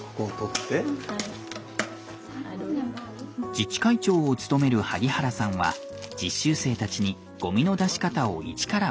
自治会長を務める萩原さんは実習生たちにゴミの出し方を一から教えました。